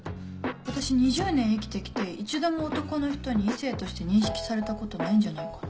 私２０年生きて来て一度も男の人に異性として認識されたことないんじゃないかな。